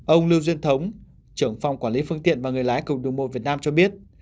ông lưu duyên thống trưởng phòng quản lý phương tiện và người lái cục đường bộ việt nam cho biết